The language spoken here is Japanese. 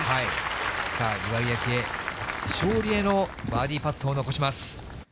さあ、岩井明愛、勝利へのバーディーパットを残します。